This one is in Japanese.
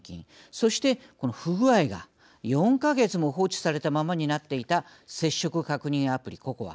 そして不具合が４か月も放置されたままになっていた接触確認アプリ、ＣＯＣＯＡ。